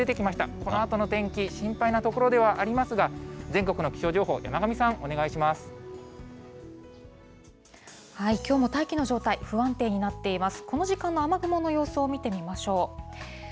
このあとの天気、心配なところではありますが、全国の気象情報、きょうも大気の状態、不安定になっています。